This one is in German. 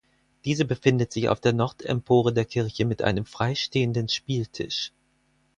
Diese befindet sich auf der Nordempore der Kirche mit einem freistehenden Spieltisch.